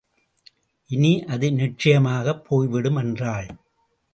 இனி அது நிச்சயமாகப் போய்விடும் என்றாள்.